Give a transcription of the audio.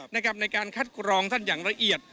ในการคัดกรองท่านอย่างละเอียด